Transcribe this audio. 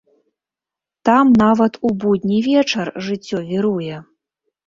Там нават у будні вечар жыццё віруе.